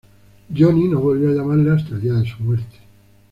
Johnny no volvió a llamarle hasta el día de su muerte.